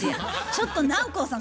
ちょっと南光さん